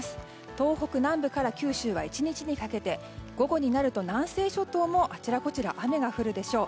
東北南部から九州は１日にかけて午後になると南西諸島もあちらこちら雨が降るでしょう。